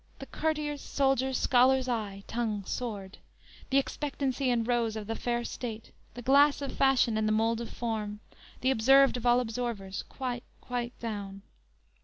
The courtier's, soldier's, scholar's eye, tongue, sword; The expectancy and rose of the fair state, The glass of fashion and the mould of form, The observed of all observers, quite, quite down!